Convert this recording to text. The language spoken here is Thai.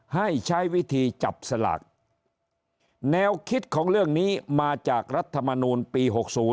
ให้ใช้วิธีจับสลากแนวคิดของเรื่องนี้มาจากรัฐมนูลปี๖๐